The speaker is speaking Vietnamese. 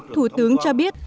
thủ tướng cho biết